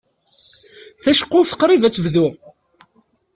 Taceqquft qrib ad tebdu.